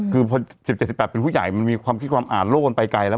คือพอ๑๗๑๘เป็นผู้ใหญ่มันมีความคิดความอ่านโลกมันไปไกลแล้ว